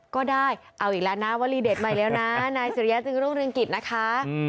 ก็ได้เอาอีกแล้วนะวลีเดตใหม่แล้วนะนายสุริยะจึงรุ่งเรืองกิจนะคะ